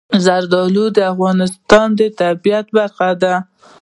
زردالو د افغانستان د طبیعت برخه ده.